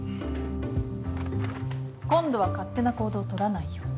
今度は勝手な行動取らないように。